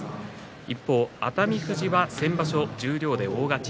一方、熱海富士は先場所十両で大勝ち。